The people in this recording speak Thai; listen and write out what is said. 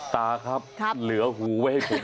ตาครับเหลือหูไว้ให้ผมด้วยนะคะ